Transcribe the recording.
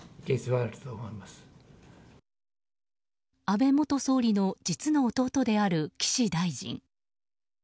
安倍元総理の実の弟である岸大臣。